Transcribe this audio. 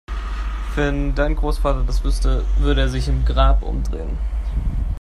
Wenn dein Großvater das wüsste, würde er sich im Grab umdrehen